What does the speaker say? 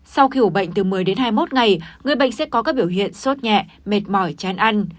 sau khi ủ bệnh từ một mươi đến hai mươi một ngày người bệnh sẽ có các biểu hiện sốt nhẹ mệt mỏi chán ăn